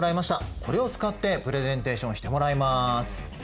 これを使ってプレゼンテーションしてもらいます。